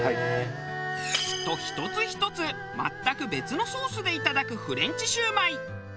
と１つ１つ全く別のソースでいただくフレンチシュウマイ。